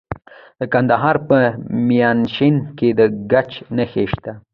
د کندهار په میانشین کې د ګچ نښې شته.